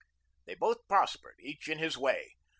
They both prospered, each in his way.